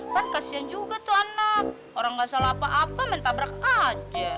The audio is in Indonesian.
kan kasihan juga tuh anak orang nggak salah apa apa main tabrak aja